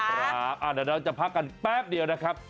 เดี๋ยวเราจะพักกันแป๊บเดียวนะครับ